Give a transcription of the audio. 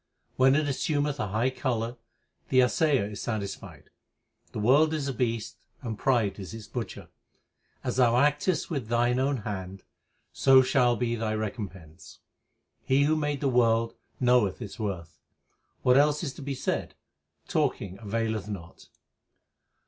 When it assumeth a high colour 2 the Assayer is satisfied. The world is a beast, and pride is its butcher. 3 As thou actest with thine own hand, so shall be thy recompense. He who made the world knoweth its worth. What else is to be said ? Talking availeth not.